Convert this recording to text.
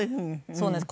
そうなんです。